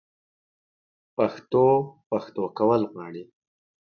پښتو؛ پښتو کول غواړي